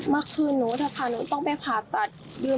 มาคืนหนูเถอะค่ะหนูต้องไปผ่าตัด